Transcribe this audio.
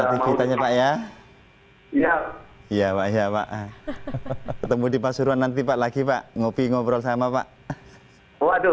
aktivitasnya ya iya iya iya pak ketemu di pasuruan nanti pak lagi pak ngopi ngobrol sama pak waduh